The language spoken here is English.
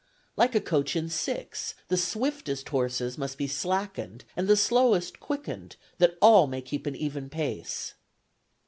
Like a coach and six, the swiftest horses must be slackened, and the slowest quickened, that all may keep an even pace.